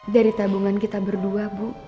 dari tabungan kita berdua bu